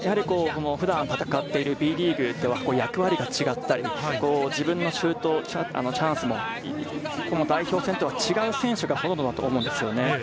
普段戦っているＢリーグでは役割が違ったり、自分のシュートチャンスも代表戦とは違う選手がほとんどだと思うんです。